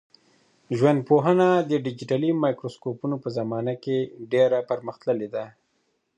ژوندپوهنه د ډیجیټلي مایکروسکوپونو په زمانه کي ډېره پرمختللې ده.